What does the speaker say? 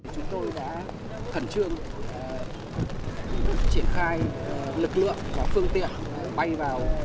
chúng tôi đã khẩn trương triển khai lực lượng và phương tiện bay vào